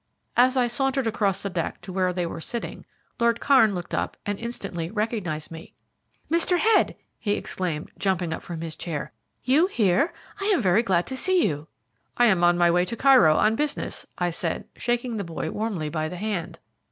As I sauntered across the deck to where they were sitting, Lord Kairn looked up and instantly recognised me. "Mr. Head!" he exclaimed, jumping from his chair, "you here? I am very glad to see you." "I am on my way to Cairo, on business," I said, shaking the boy warmly by the hand.